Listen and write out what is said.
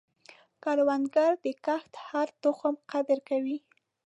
کروندګر د کښت د هر تخم قدر کوي